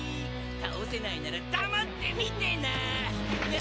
倒せないなら黙って見てな！